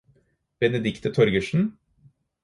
Benedicte Torgersen